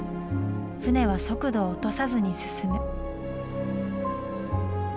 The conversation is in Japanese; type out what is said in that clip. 船は速度を落とさずに進む。